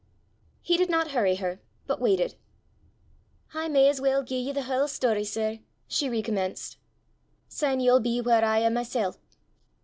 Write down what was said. He did not hurry her, but waited. "I may as weel gie ye the haill story, sir!" she recommenced. "Syne ye'll be whaur I am mysel'.